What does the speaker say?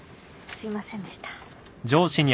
すいませんでした。